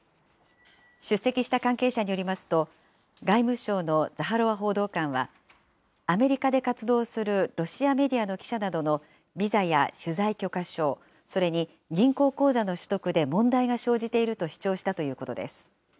出席した関係者によりますと、外務省のザハロワ報道官は、アメリカで活動するロシアメディアの記者などのビザや取材許可証、それに銀行口座の取得で問題が生じていると主張したということです。